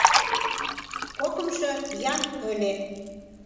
Кокымшо — Ян ыле.